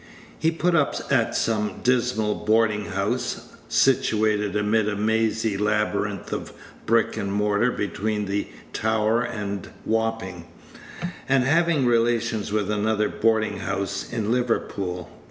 He put up at some dismal boarding house, situated amid a mazy labyrinth of brick and mortar between the Tower and Wapping, and having relations with another boarding house in Liverpool.